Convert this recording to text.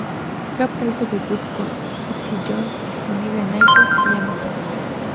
Capra hizo debut con, "Gypsy Jones" disponible en iTunes y Amazon.